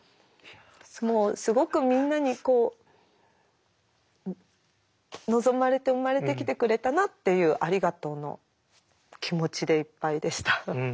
もうすごくみんなにこう望まれて生まれてきてくれたなっていうありがとうの気持ちでいっぱいでした。